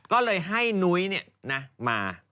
ก็เลยให้นุ้ยเนี่ยนะมา